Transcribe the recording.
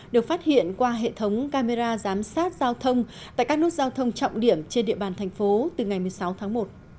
được phát hiện qua hệ thống camera giám sát giao thông tại các nút giao thông trọng điểm trên địa bàn thành phố từ ngày một mươi sáu tháng một